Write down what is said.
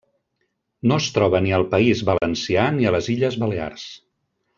No es troba ni al País Valencià ni a les Illes Balears.